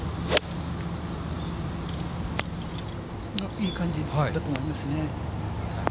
いい感じだと思いますね。